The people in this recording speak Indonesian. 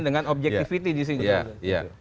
dengan objectivity di sini ya ya